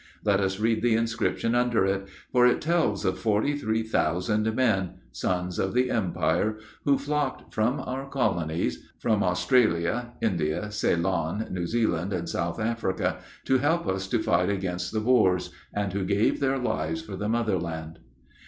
Let us read the inscription under it, for it tells of forty three thousand men, sons of the Empire, who flocked from our Colonies from Australia, India, Ceylon, New Zealand, and South Africa to help us to fight against the Boers, and who 'Gave their Lives for the Motherland.